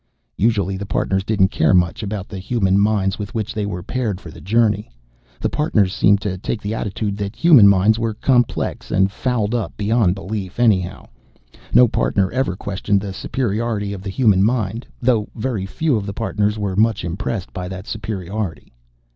Usually the Partners didn't care much about the human minds with which they were paired for the journey. The Partners seemed to take the attitude that human minds were complex and fouled up beyond belief, anyhow. No Partner ever questioned the superiority of the human mind, though very few of the Partners were much impressed by that superiority.